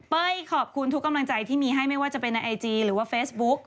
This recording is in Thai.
ขอบคุณทุกกำลังใจที่มีให้ไม่ว่าจะเป็นในไอจีหรือว่าเฟซบุ๊ก